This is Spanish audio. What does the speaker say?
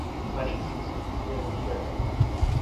Marítimo de Venezuela.